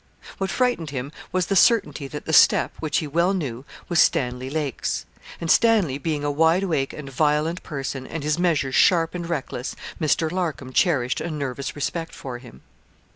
What frightened him was the certainty that the step, which he well knew, was Stanley Lake's. And Stanley being a wideawake and violent person, and his measures sharp and reckless, Mr. Larcom cherished a nervous respect for him.